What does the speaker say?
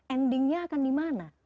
endingnya akan dimana